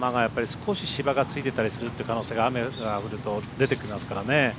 少し芝がついてたりするという可能性が雨が降ると出てきますからね。